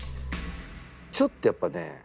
ちょっとやっぱね